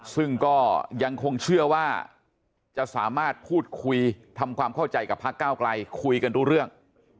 ซึ่งก็ยังคงเชื่อว่าจะสามารถพูดคุยทำความเข้าใจกับพระเก้าไกลคุยกันรู้เรื่อง